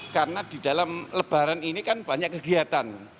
karena di dalam lebaran ini kan banyak kegiatan